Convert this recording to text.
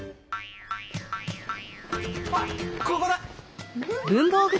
あっここだ！